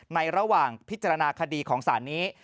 ระหว่างพิจารณาคดีของศาลนี้